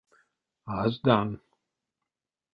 Аздан.